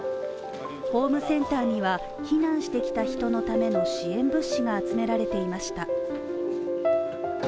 ホームセンターには、避難してきた人のための支援物資が集められていました。